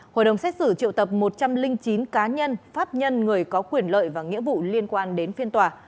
hội đồng xét xử triệu tập một trăm linh chín cá nhân pháp nhân người có quyền lợi và nghĩa vụ liên quan đến phiên tòa